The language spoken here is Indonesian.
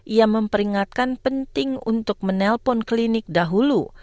ia memperingatkan penting untuk menelpon klinik dahulu